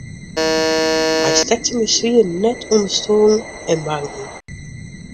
Hy stekt syn beswieren net ûnder stuollen en banken.